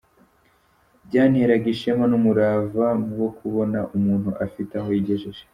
Byanteraga ishema n’umurava wo kubona umuntu afite aho yigejeje.